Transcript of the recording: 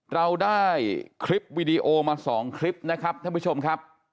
เราได้คลิปวิดีโอมา๒คลิปนะครับท่านผู้ชมครับ